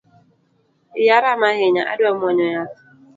Iya rama ahinya adwa mwonyo yath